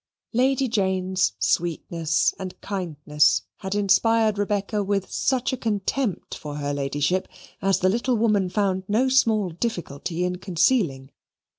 Lady Jane's sweetness and kindness had inspired Rebecca with such a contempt for her ladyship as the little woman found no small difficulty in concealing.